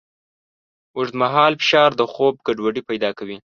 اوږدمهاله فشار د خوب ګډوډۍ پیدا کوي.